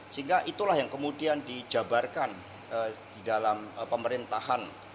sehingga itulah yang kemudian dijabarkan di dalam pemerintahan